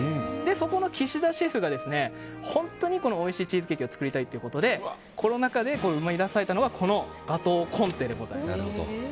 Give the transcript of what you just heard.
そこの岸田シェフが本当においしいチーズケーキを作りたいということでコロナ禍で生み出されたのがこのｇａｔｅａｕａｕＣｏｍｔｅでございます。